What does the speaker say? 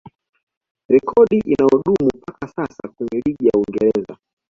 Rekodi inayodumu mpaka sasa kwenye ligi ya Uingereza